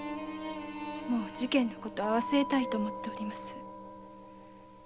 事件の事は忘れたいと思っております。